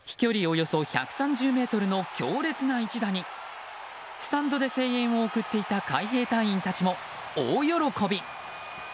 およそ１３０ｍの強烈な一打にスタンドで声援を送っていた海兵隊員たちも大喜び。